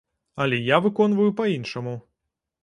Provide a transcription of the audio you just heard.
Але я выконваю па-іншаму.